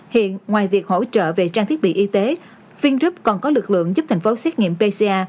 hiện ngoài việc hỗ trợ về trang thiết bị y tế finrub còn có lực lượng giúp thành phố xét nghiệm pcr